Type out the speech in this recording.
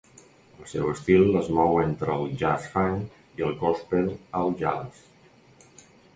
El seu estil es mou entre el jazz-funk, el gòspel el jazz.